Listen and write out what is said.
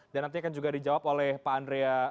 dan nanti akan juga dijawab oleh pak andrea